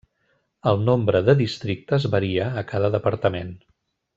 El nombre de districtes varia a cada departament.